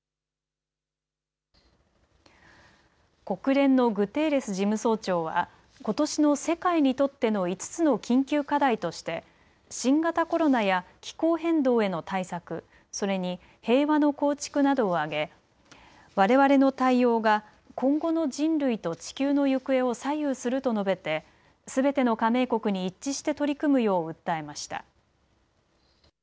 国連のグテーレス事務総長はことしの世界にとっての５つの緊急課題として新型コロナや気候変動への対策、それに平和の構築などを挙げ、われわれの対応が今後の人類と地球の行方を左右すると述べてすべての加盟国に一致して取り組むよう訴えました。